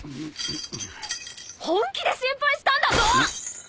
本気で心配したんだぞ！